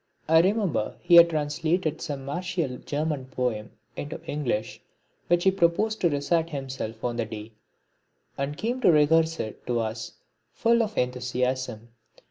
I remember he had translated some martial German poem into English which he proposed to recite himself on the day, and came to rehearse it to us full of enthusiasm.